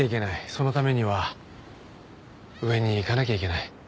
そのためには上に行かなきゃいけない。